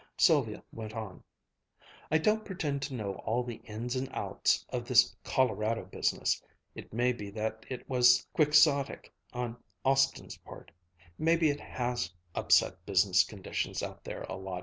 Sylvia went on. "I don't pretend to know all the ins and outs of this Colorado business. It may be that it was quixotic on Austin's part. Maybe it has upset business conditions out there a lot.